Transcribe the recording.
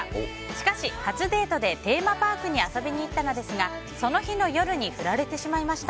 しかし、初デートでテーマパークに遊びに行ったのですがその日の夜に振られてしまいました。